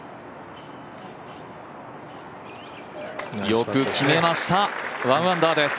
よく決めました、１アンダーです。